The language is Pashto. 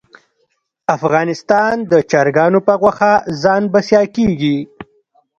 افغانستان د چرګانو په غوښه ځان بسیا کیږي